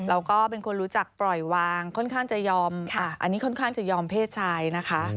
แล้วก็เป็นคนรู้จักปล่อยวางค่อนข้างจะยอมเพศชายนะคะ